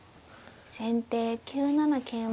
先手９七桂馬。